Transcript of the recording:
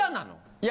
いや。